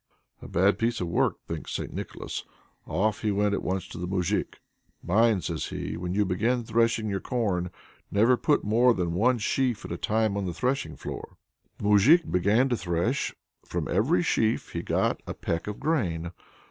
"A bad piece of work!" thinks St. Nicholas. Off he went at once to the Moujik. "Mind," says he, "when you begin threshing your corn, never put more than one sheaf at a time on the threshing floor." The Moujik began to thresh: from every sheaf he got a peck of grain.